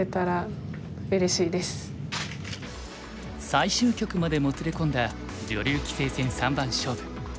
最終局までもつれ込んだ女流棋聖戦三番勝負。